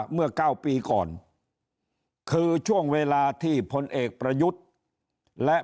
เมื่อ๙ปีก่อนคือช่วงเวลาที่พลเอกประยุทธ์และ